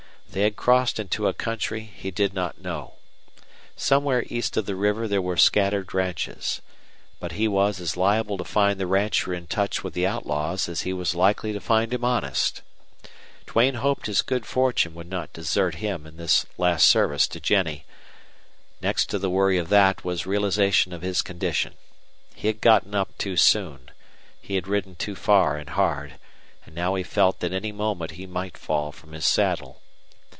They had crossed into a country he did not know. Somewhere east of the river there were scattered ranches. But he was as liable to find the rancher in touch with the outlaws as he was likely to find him honest. Duane hoped his good fortune would not desert him in this last service to Jennie. Next to the worry of that was realization of his condition. He had gotten up too soon; he had ridden too far and hard, and now he felt that any moment he might fall from his saddle.